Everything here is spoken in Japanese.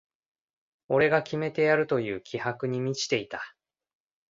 俺が決めてやるという気迫に満ちていた